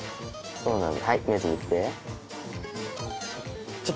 そうなんだ。